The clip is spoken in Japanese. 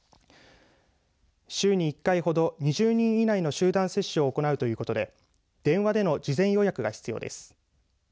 週に１回ほど２０人以内の集団接種を行うということで電話での事前予約が必要です。